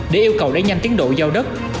để yêu cầu đánh nhanh tiến độ giao đất